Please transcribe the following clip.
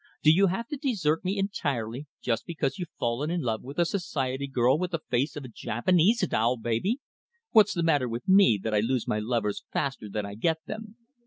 Do you have to desert me entirely, just because you've fallen in love with a society girl with the face of a Japanese doll baby? What's the matter with me, that I lose my lovers faster than I get them?